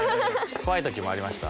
怖い時もありました？